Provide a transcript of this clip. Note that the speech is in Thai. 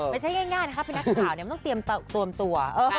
ไม่ใช่ง่ายนะครับพีคหนักข่าวนี้ไม่ต้องเตรียมตวมตัว